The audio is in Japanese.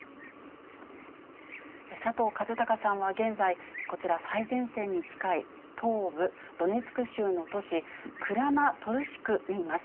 佐藤和孝さんは現在、こちら、最前線に近い東部ドネツク州の都市クラマトルシクにいます。